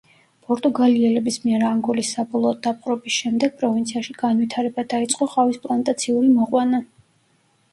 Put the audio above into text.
პორტუგალიელების მიერ ანგოლის საბოლოოდ დაპყრობის შემდეგ პროვინციაში განვითარება დაიწყო ყავის პლანტაციური მოყვანა.